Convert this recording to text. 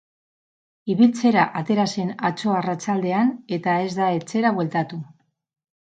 Ibiltzera atera zen atzo arratsaldean, eta ez da etxera bueltatu.